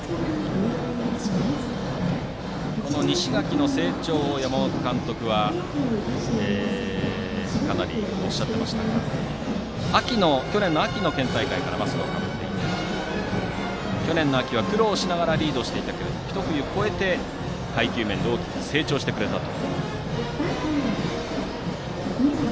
この西垣の成長について山本監督はかなりおっしゃっていましたが去年の秋の県大会からマスクをかぶっていて去年の秋は苦労しながらリードしていたけれどもひと冬越えて、配球面で大きく成長してくれたと。